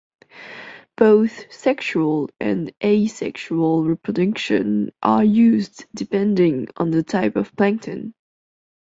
Both sexual and asexual reproduction are used depending on the type of plankton.